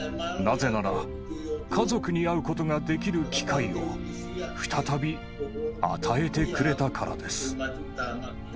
なぜなら、家族に会うことができる機会を、再び与えてくれたからです。